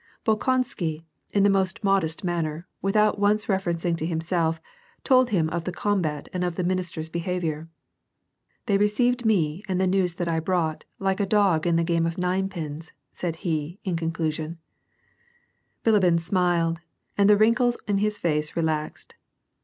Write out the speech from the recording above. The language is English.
Bolkonsky, in the most modest manner, without once refer ring to himself, told him of the combat and of the ministers' behavior. " They received me and the news that I brought like a dog in a game of ninepins." * he said, in conclusion. Bilibin smiled, and the wrinkles in his face relaxed.